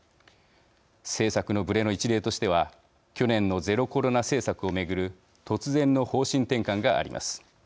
政策のぶれの一例としては去年のゼロコロナ政策を巡る突然の方針転換があります。